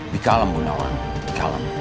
dikalem bu nawang dikalem